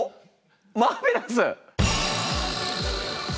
マーベラス！